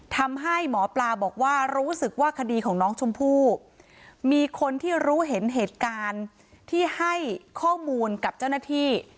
ทำให้หมอปลาบอกว่ารู้สึกว่าคดีของน้องชมพู่มีคนที่รู้เห็นเหตุการณ์ที่ให้ข้อมูลกับเจ้าหน้าที่